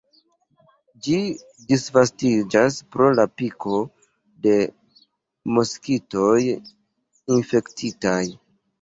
Ĝi disvastiĝas pro la piko de moskitoj infektitaj.